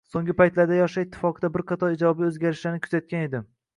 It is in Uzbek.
So‘nggi paytlarda Yoshlar ittifoqida bir qator ijobiy o‘zgarishlarni kuzatgan edim.